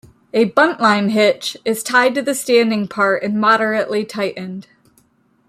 A buntline hitch is tied to the standing part and moderately tightened.